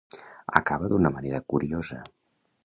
Acaba d'una manera curiosa.